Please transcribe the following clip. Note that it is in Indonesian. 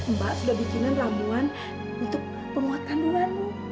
mbak sudah bikin ramuan untuk penguatan kandunganmu